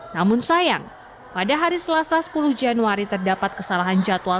namun sayang pada hari selasa sepuluh januari terdapat kesalahan jadwal